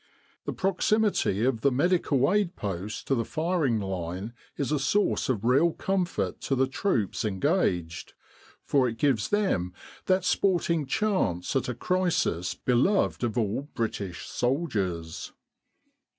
The proximity of the Medical Aid Post to the firing line is a source of real comfort to the troops engaged, for it gives them that sporting chance at a crisis beloved of all British soldiers.